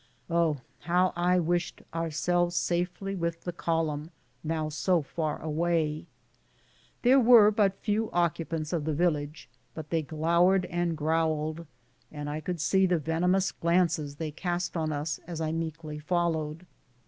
Oh, how I wished ourselves safely with the column, now so far away ! There were but few occupants of the village, but they glow^ered and growled, and I could see the venomous glances they ADVENTURES— THE LAST DAYS OF THE MARCH. 77 cast on lis as I meekly followed.